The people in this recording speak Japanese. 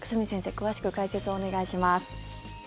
詳しく解説をお願いします。